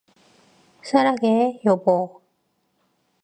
사랑해, 여보.